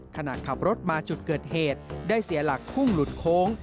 ขณะขับรถมาจุดเกิดเหตุได้เสียหลักพุ่งหลุดโค้ง